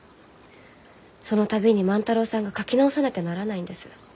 その度に万太郎さんが描き直さなきゃならないんです。